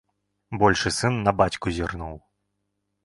Большы сын на бацьку зірнуў.